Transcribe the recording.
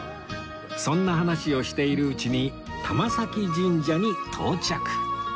そんな話をしているうちに玉前神社に到着